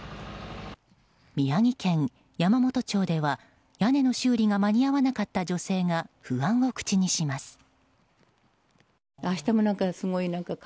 宮城県山元町では、屋根の修理が間に合わなかった女性が不安を口にします。